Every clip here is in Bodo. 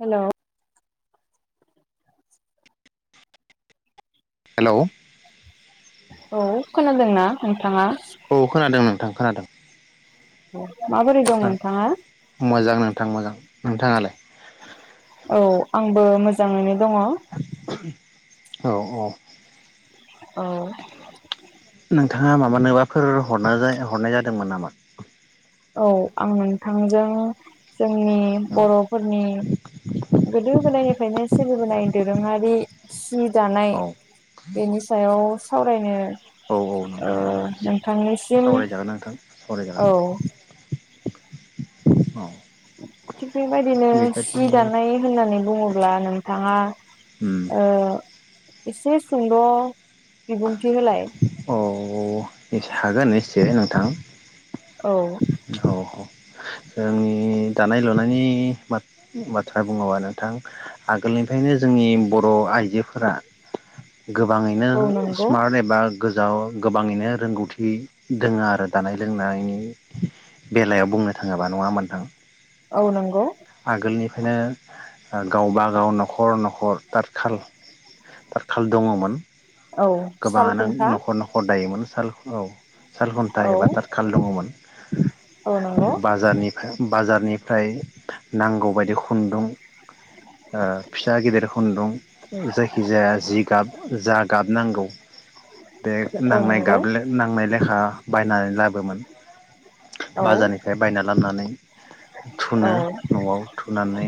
हेल'। हेल'। औ खोनादोंना नोंथाङा। औ खोनादों नोंथां। खोनादोंं। औ। माबोरै दं नोंथाङा? आं मोजां नोंथाङालाय। औ आंबो मोजाङैनो दङ। औ औ। औ। नोंथाङा मानोबाफोर हरनाय जादोंमोन नामा। औ आं नोंथांजों। जोंनि औ बर'फोरनि गोदो गोदायनिफ्रायनो सोलिबोनाय आरो दोरोङारि जि दानाय औ बेनि सायाव सावरायनो। औ औ ओ नोंथां औ नोंथांनिसिम सावरायजागोन नोंथां औ सावरायजागोन। औ। थिग बेबायदिनो सि बेबायदि दानाय होननानै बुङोब्ला नोंथाङाओ। एसे सन्दर। बिबुंथि होलाय। अ एसे हागोन एसे नोंथां।। औ। औ जोंनि दानाय लुनायनि बाथ्रा बुङोबा नोंथां आगोलनिफ्रायनो जोंनि बर आइजोफोरा। गोबाङैनो। औ नंगौ स्मार्ट एबा जाव गोबाङैनो रोंगौथि दोङो आरो जानाय लोंनायनि बेलायाव बुंनो थाङोबा नङा होनबा नोंथां। औ नंगौ। नो गावबागाव न'खर न'खर ताथखाल दाथखाल दङमोन। औ साल गोबाङानो खुन्था नखर नखर दायो। [unintelligible] साल औ साल घन्टा औ एबा दाथखाल दङमोन औ नंगौ बाजारनिफाय बाजारनिफ्राय नांगौबायदि खुन्दुं ओ फिसा गिदिर खुन्दुं जायखिजाया जि गाब जा गाब नांगौ। बे औ नांनाय नंगौ गाब ले नांनाय लेखा बाय होननानै लाबोमोन औ बाजारनिफ्राय बायना लानानै औ थुनो नआव थुनानै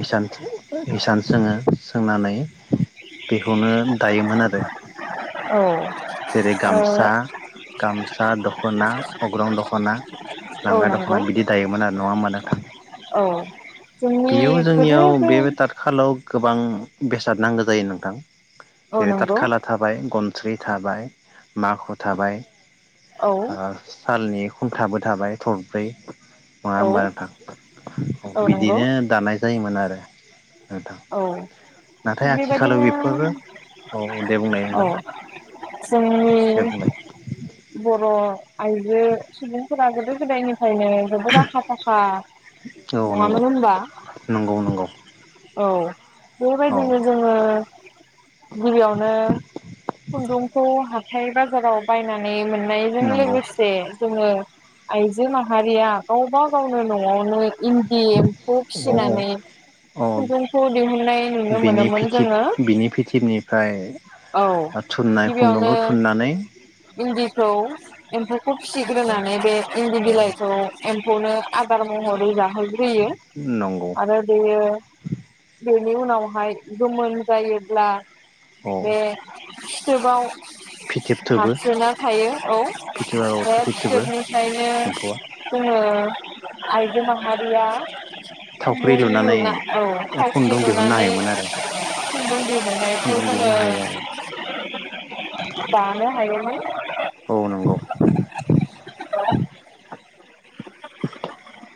हिसान सोङो सोंनानै बेखौनो दायोमोन आरो औ जेरै ओ गामसा गामसा दखना अग्रं दखना, औ लांगा दखना नंगौ बिदि दायोमोन आरो नङा होमा नोंथां औ जोंनि बेयाव गोदो जोंनियाव गो बे दाथखाालाव। गोबां बेसाद नांगौ जायो नोंथां। औ नंगौ। गनस्रिर थाबाय माखु थाबाय। औ आ सालनि हुंखाबो थाबाय थरब्रै। नङा औ होमबा नोंथां औ नंगौ बिदिनो दानाय जायोमोन आरो [unintelligible] नोंथां औ नाथाय थिग आथिखालाव बेबायदिनो बेफोरो बुंनाय औ नोंथां जों दे बुंनाय ब अ आइजो सुबुंफोरा गोदो गोदायनि ओंखायनो जोबोद आखा फाखा औ नंगौ नङामोन होनबा नंगौ नंगौ औ औ बेबायदिनो जोङो गिबियावनो खुन्दुंखौ हाब हाइ बाजाराव बायनानै मोन नायजों नंगौ लोगोसे जोङो आइजो माहारिया गावबा गावनो न' नङावनो इन्दि एम्फौ औ औ फिनानै औ खन्दुंखौ दिहुननाय नुनो बिनि मोनोमोन फिथिब जोङो बिनि फिथिबनिफ्राय औ थुननाय गिबियावनो खुन्दुंखौ थुननानै इन्दिखौ एमफोर अ खिसिग्रोनानै बे इन्दि अ बिलाइखौ खौनो आदार महरै जाहोग्रियो नंगौ आरो दयो बेनि उनावहाय गोमोन जायोब्ला औ बे फिथोबाव फिथोब थोबो हाबसोना थायो औ फिथोबा औ बे फिथोब थोबो बिथोबनिफ्रायनो एम्फौआ जोङो आयजो माहारिया थावख्रि खुनदुं लुनानै लुना औ साख्रि खुन्दुं दिहुननो लुननानै हायोमोन आरो इन्दि लुनायखौ खुन्दुं ओ दिहुननो हायो आरो दानो हायोमोन औ नंगौ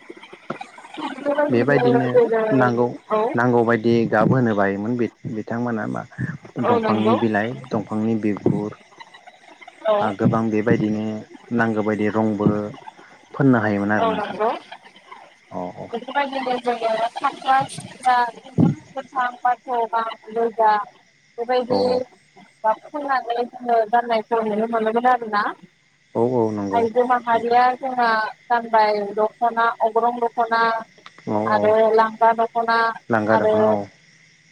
[inaudible] बेबायदिनो जेरै नांगौ औ नांगौबायायदि गाब होनोबाय मोन बिद बिथांमोना मा औ दंफांनि नंगौ बिलाइ दंफांनि बि उर औ आ गोबां बेबायदिनो नांगौबायायदि रंबो फोननो हायोमोन आरो नोंथां अ औ बिबायदिनो जोङो खाब्रा खिथ्रा [unintelligible] गोथां बादि [unintelligible] औ बेबायदि गाब [unintelligible] गाननायखौ नुनो मोनो मोन आरो ना औ औ नंगौ आयजो नोंथां माहारिया जोंना गानबाय दखना अग्रं दं खना औ औ आरो लांगा दख'ना लांगा आरो दख'ना औ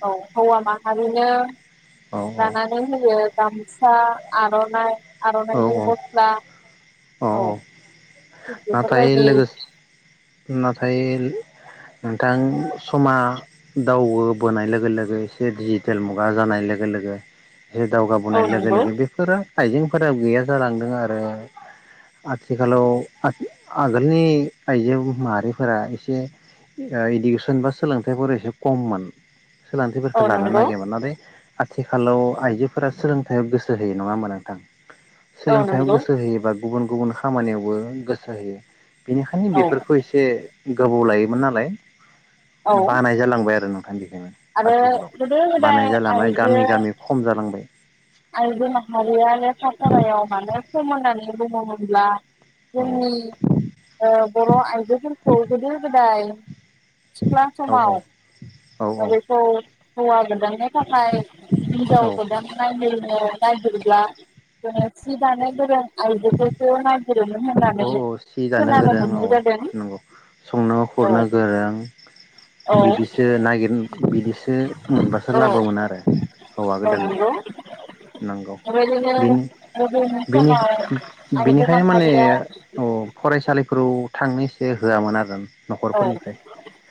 औ हौवा माहारिनो औ दानानानै होयो गामसा आर'नाय औ आर'नाइनि औ गसला औ औ थिग नाथाय बेफोरबायदि। लोगोसे नाथाय नोंथां समा दावोबोनाय लोगो लोगो एसे डिजिटेल मुगा जानाय लोगो लोगो। बे औ दावगाबोनाय लोगो नंगौ लोगो बेफोरो आइजेंफोरा गैया जालांदों आरो आथिखालाव। आगोलनि आइजो माहारिफोरा एसे इडुकेसन बा सोलोंथाइफोर एसे खममोन। सोलोंथिफोरखौ औ लानो नंगौ नागिरोमोन नालाय। आथिखालाव आइजोफोरा सोलोंथाइयाव गोसो होयो नङा होमबा नोंथां? औ सोलोंथायाइयाव नंगौ गोसो होयोबा। गुबुन गुबुन खामानियावबो। गोसो होयो। बेनिखायनो औ बेफोरखौ एसे। गोबाव लायोमोन नालाय। औ बानाय जालांबाय आरो न? [inaudible] आरो गोदो गोदाय माने आइजो गामि गामि खम जालांबाय आइजो माहारिया लेखा फरायाव मानो सोमोननानै [unintelligible] मोनब्ला औ जोंनि ओ बर' आइजोफोरखौ गोदो गोदाय सिख्ला औ समाव। औ दा बेखौ होयागोन [unintelligible] थाखाय हिनजाव औ गोदान नायनो। नागिरब्ला जोंङो सि दानो गोरों आइजोफोरखौ नागि औ औ सि जानो गोरों औ मोननाय जादों नंगौ संनो औ खुरनो गोरों औ बिदिसो नाय बिदिसो मोनबासो औ लाबोगोन आरो हौवा औ गोदाननो नंगौ नंगौ बेबायदिनो बिनि गोदोनि बिनि समाव आइजो बिनिखायनो ए माहारिया अ फरायसालिफोराव औ थांनैसो होआमोन आरोन औ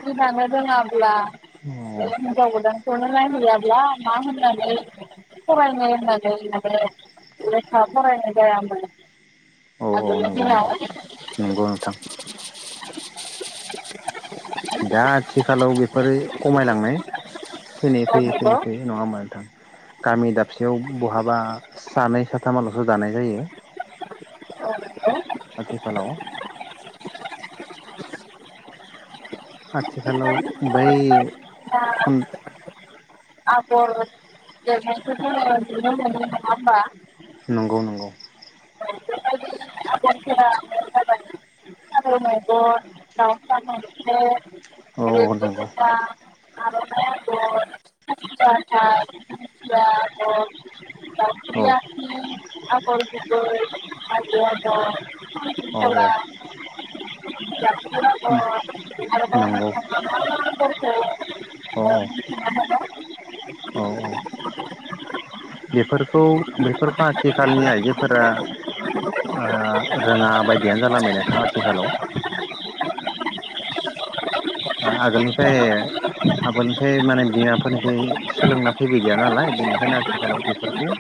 जोंहानो रोङाब्ला। औ बेलेग हिनजाव गोदानखौ। नो नायहैयाब्ला मा होननानै फरायनो होननानै माने लेखा फरायनाय जायामोन। औ औ आगोलनि नंगौ फोराव। नोंथां नंगौ नोंथां दा आथिखालाव बेफोरो खमायलांनाय। फैने औ फैयै फैयै नंगौ फैयै नङा होनबा नोंथां। गामि दाबसेयाव बहाबा सानै साथामालसो दानाय जायो। औ नंगौ आथिखालाव आथिखालाव बै। दा‌। खन [unintelligible] नंगौ नंगौ। आगरफोरा फारौमेगन दावसा मोनसे। औ औ नंगौ [unintelligible] आरन्नाय आगर, खासि हाथाय, दिंखिया आगर। औ या [unintelligible] आगर गुबै। हाजो आगर। औ औ ज [unintelligible] [inaudible] जब [unintelligible] नंगौ बस [unintelligible] औ औ औ औ बेफोरखौ बेफोरखौ आथिखालनि आइजोफोरा। ओ रोङा बायदियानो जालांबाय नथां आथिखालाव। आगोलनिफ्राय आगोलनिफ्राय माने बिमाफोरनिफ्राय सोलोंना फैबोदिया नालाय बेनिखायनो आथिखालाव बेफोरखौ।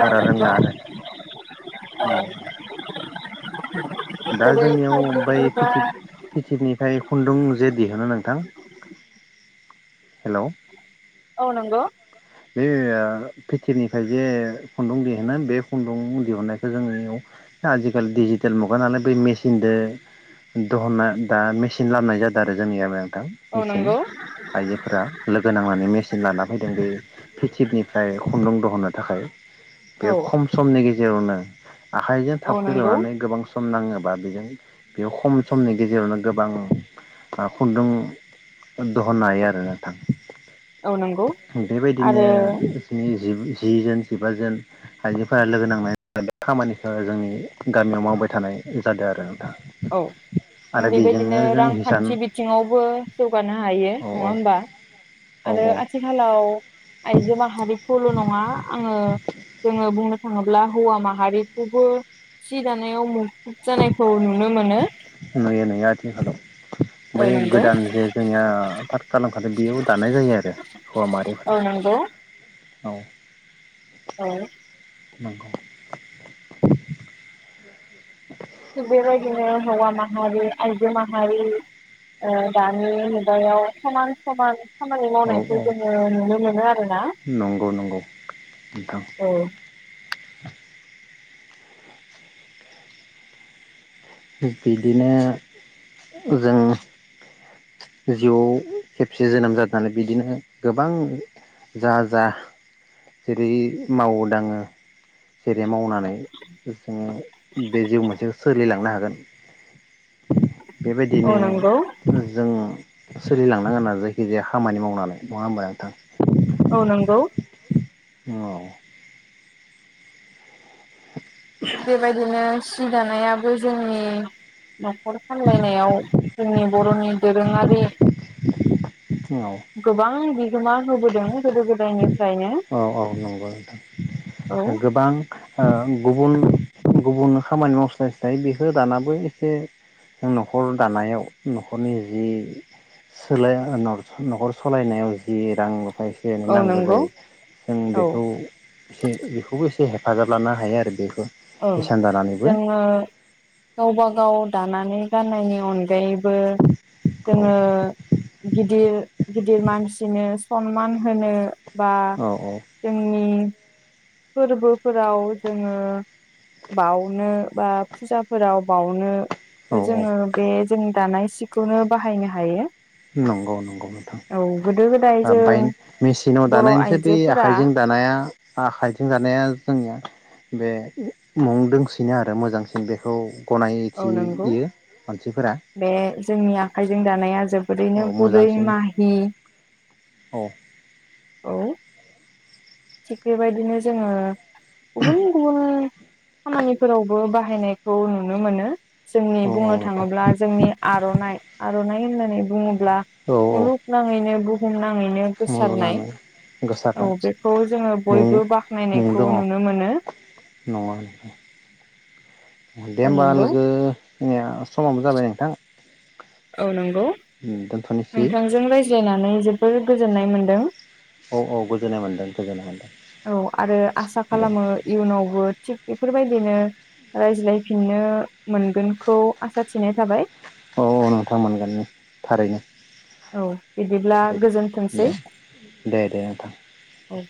बारा रोंलानो। औ। दा मख'दों जोंनियाव थाइगिर ओमफाय फिथिब बिबार फिथिब निफाय। फुन्दुं जे दिहुनो नोंथां हेल' औ नोंगौ। बे फिटिरनिफ्राय जे, खुन्दुं दिहुनो बे खुन्दुं दिहुननायखौ जोंनियाव आजिखालि डिजिटेल मुगा नालाय बै मेचिनजों दिहुनना दा मेचिन लाबोनाय जादों आरो जोंनियाबो। दा औ मेचिन नंगौ आइजोफोरा लोगो नांनानै मेचिन लाना फैदों बै पिथिबनिफ्राय खुंन्दुं दहनो थाखाय। औ बे खम समनि गे जेरावनो [unintelligible] आखाइजों औ थावख्रि नंगौ लुनानै गोबां सम नाङोबा बेजों बेयाव खम समनि गेजेरावनो गोबां खुन्दुं दहननो हायो आरो नोंथां? औ नंगौ। बे बायदिनो आरो जोंनि जि जोन जिबा जोन आइजोफोरा लोगो नांनाय खामानिखौ जोंनि गामियाव मावबाय थानाय जादों आरो नोंथां। औ जों आरो बेजोंनो बेबायदिनो जों हिसान रांखान्थि बिथिङावबो जौगानो हायो औ नङा औ होमबा। आरो औ औ आथिखालाव आइजो माहारिखौल' नङा आङो जोङो बुंनो थाङोब्ला हौवा माहारिखौबो सि दानायाव मु नुयो नुयो आथिखालाव बै औ नंगौ गोदान जे जोंनिया थार खालामखादों बेयाव दानाय जायो आरो हौवा औ माहारिफोरा नंगौ औ। औ। नंगौ। थिग बेबायदिनो हौवा माहारि आइजो माहारि दानि मुगायाव समान समान खामानि औ मावनायखौ औ जोङो नुनो मोनो आरो ना नंगौ नंगौ नोंथां औ। [inaudible] बिदिनो जों जिउआव खेबसे जोनोमनानै बिदिनो गोबां जा जा जेरै मावो दाङो जेरै मावना नै जोङो बे जिउ मोनसेखौ सोलिलांनो हागोन औ बेबायदिनो नंगौ जों सोलिलांनांगोन आरो जायखिजाया खामानि मावनानै नङा होमबा नोंथां। औ नोंगौ। औ। बे बायदिनो सि दानायाबो जोंनि न'खर सामलायनायाव जोंनि बर'नि दोरोङारि गोबां बिहोमा होबोदों। गोदो गोदायनि औ औ नंगौ औ गोबां ओ गुबुन गुबुननो खामानि मावस्लायस्लाय बेखौ दानाबो एसे जों न'खर दानायाव न'खरनि जि सोलाय न'खर सालायनायाव जि रां हाय एसे एनै औ नांगौ नंगौ जायो ओं औ बेखौ एसे बेखौबो एसे हेफाजाब लाना हायो आरो बेखौ। औ हिसान दानानैबो जोङो गावबा गाव दानानै गाननायनि अनगायैबो औ जोङो गिदिर गिदिर मानसिनो सनमान होनो बा औ जोंनि फोरबोफोराव जोङो बाउनो बा फुजाफोराव बावनो औ बो औ जोङो बे जोंनि दानाय सिखौनो बाहायनो हायो। नंगौ नंगौ नोंथां औ गोदो गोदाय आ बाइन जों मिसिनाव बर' दानायनिसाय बे आइजोफोरा आखाइजों दानाया आखाइथिं जानाया जोंनिया बे मुं दोंसिनो आरो मोजांसिन बेखौ औ नोंगौ गनायथियो मानसिफोरा बे जोंनि आखाइजों दानाया जो‌ औ बोरैनो गुरै मोजांसिन माहि औ औ थिग बेबायदिनो जोङो गुबुन गुबुन खामानिफोरावबो बा हायनायखौ नुनो मोनो। जोंनि औ बुंनो नोंथां थाङोब्ला जोंनि आर'नाइ आर'नाइ बिदि होननानै बुंङो ब्ला औ औ मुलुग नाङैनो बु नाङैनो न' गोसारनाय लुनानै औ गोसारनाय बे खौ जोङो मुं बयबो मुं बाख्नायनायखौ दङ नुनो मोनो। नङा दे ओमबा लोगो [unintelligible] समाबो जाबाय नोंथां। औ नोंगौ दोनथ'नोसै नोंथांजों रायज्लायनानै जोबोद गोजोननाय मोनदों। औ औ गोजोननाय मोनदों गोजोननाय मोनदों औ आरो आसा दे खालामो इयुनावबो थिग बेफोरबायदिनो रायज्लायफिननो मोनगोनखौ आसा थिनाय थाबाय। औ औ नोंथां मोनगोन थारैनो। औ बिदिब्ला थारैनो गोजोनथोंसै। दे दे दे नोंथां औ